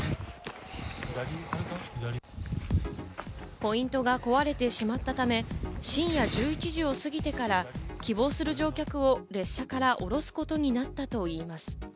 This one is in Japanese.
ポイントが壊れてしまったため、深夜１１時を過ぎてから、希望する乗客を列車から降ろすことになったといいます。